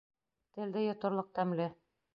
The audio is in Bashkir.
Телде йоторлоҡ тәмле!